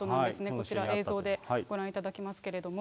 こちら、映像でご覧いただきますけれども。